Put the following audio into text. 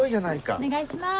お願いします。